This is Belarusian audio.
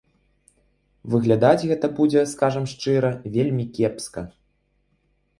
Выглядаць гэта будзе, скажам шчыра, вельмі кепска.